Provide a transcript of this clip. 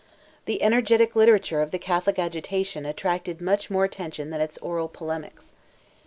The energetic literature of the Catholic agitation attracted much more attention than its oral polemics.